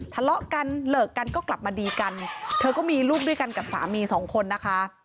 ทะเลาะกันเลิกกันก็กลับมาดีกันเธอก็มีลูกด้วยกันกับสามีสองคนนะคะ